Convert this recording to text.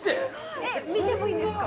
こんな見てもいいんですか？